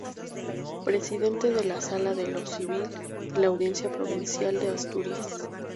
Presidente de la Sala de lo Civil de la Audiencia Provincial de Asturias.